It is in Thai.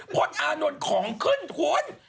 โพดอานนท์ของขึ้นฝน